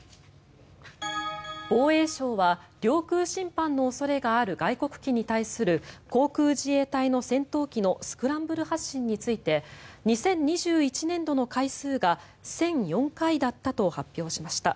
防衛省は領空侵犯の恐れがある外国機に対する航空自衛隊の戦闘機のスクランブル発進について２０２１年度の回数が１００４回だったと発表しました。